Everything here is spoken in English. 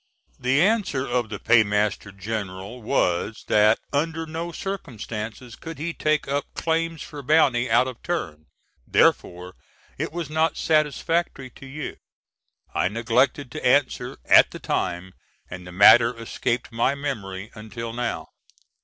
The answer of the Paymaster General was that under no circumstances could he take up claims for bounty out of turn; therefore, it was not satisfactory to you. I neglected to answer at the time and the matter escaped my memory until now.